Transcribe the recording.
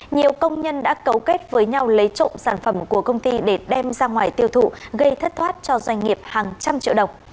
nhiều công nhân đã cấu kết với nhau lấy trộm sản phẩm của công ty để đem ra ngoài tiêu thụ gây thất thoát cho doanh nghiệp hàng trăm triệu đồng